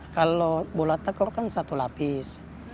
kalau sepak takraw kan satu lapis